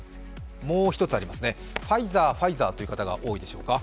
もう一つ、ファイザー、ファイザーという方が多いでしょうか。